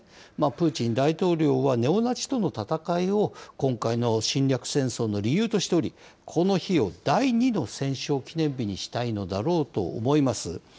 プーチン大統領はネオナチとの戦いを、今回の侵略戦争の理由としており、この日を第２の戦勝記念日にしたいのだろうと思います。